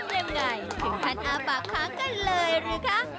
เต็มยังไงถึงพันอาบปากค้างกันเลยหรือคะ